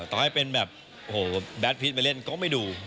ต่อให้เป็นแบบแบดพีชมาเล่นก็ไม่ดู